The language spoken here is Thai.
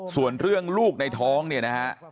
ส่วนเรื่องลูกในท้องเนี่ยนะฮะ